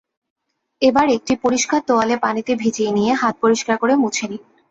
এবার একটি পরিষ্কার তোয়ালে পানিতে ভিজিয়ে নিয়ে হাত পরিষ্কার করে মুছে নিন।